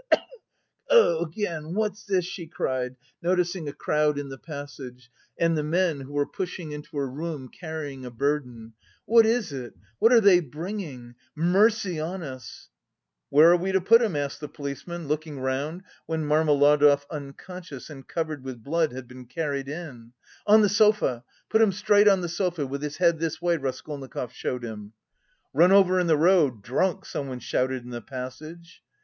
(Cough, cough, cough, cough!) Again! What's this?" she cried, noticing a crowd in the passage and the men, who were pushing into her room, carrying a burden. "What is it? What are they bringing? Mercy on us!" "Where are we to put him?" asked the policeman, looking round when Marmeladov, unconscious and covered with blood, had been carried in. "On the sofa! Put him straight on the sofa, with his head this way," Raskolnikov showed him. "Run over in the road! Drunk!" someone shouted in the passage.